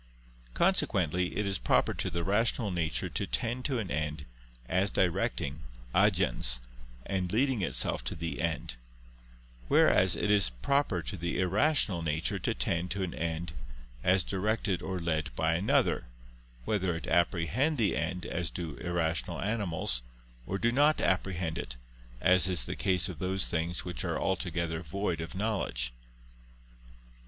Consequently it is proper to the rational nature to tend to an end, as directing (agens) and leading itself to the end: whereas it is proper to the irrational nature to tend to an end, as directed or led by another, whether it apprehend the end, as do irrational animals, or do not apprehend it, as is the case of those things which are altogether void of knowledge.